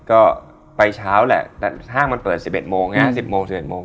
ก็ไปเช้าแหละห้ามเคียงเปิดนิดนึง